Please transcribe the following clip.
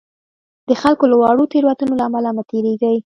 د خلکو له واړو تېروتنو له امله مه تېرېږئ.